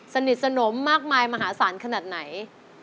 สนิทสนมมากมายมหาศาลขนาดไหน